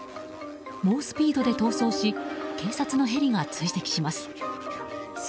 猛スピードで逃走し警察のヘリが追跡します。